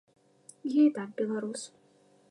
Я і так беларус.